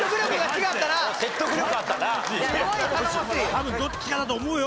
多分どっちかだと思うよ。